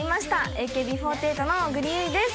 ＡＫＢ４８の小栗有以です。